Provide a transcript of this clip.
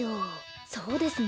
そうですね。